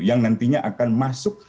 yang nantinya akan masuk